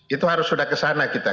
itu harus sudah ke sana kita